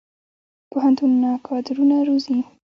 پوهنتونونه کادرونه روزي